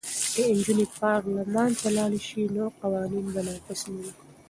که نجونې پارلمان ته لاړې شي نو قوانین به ناقص نه وي.